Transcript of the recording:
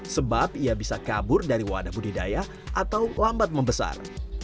sebab ia bisa kabur dari wadah budidaya atau lambat membesar